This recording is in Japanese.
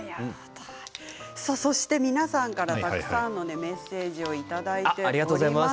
皆さんからたくさんのメッセージをいただいています。